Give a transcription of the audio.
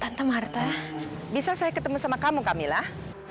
tante marta bisa saya ketemu sama kamu kamilah